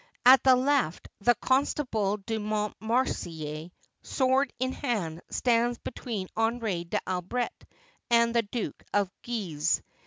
At the left, the Constable de Montmorency, sword in hand, stands between Henri d'Albret and the Duke of Guise.